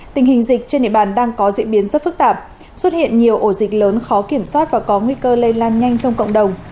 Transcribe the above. tình hình dịch trên địa bàn đang có diễn biến rất phức tạp xuất hiện nhiều ổ dịch lớn khó kiểm soát và có nguy cơ lây lan nhanh trong cộng đồng